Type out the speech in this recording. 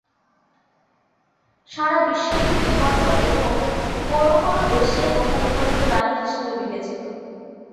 সারা বিশ্বে এটি বিপন্ন এবং কোন কোন দেশে মহাবিপন্ন প্রাণী হিসেবে বিবেচিত।